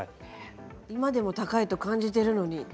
今でも高いと感じているのに。